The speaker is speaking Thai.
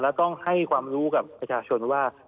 แล้วก็ให้ความรู้กับประชาชนว่า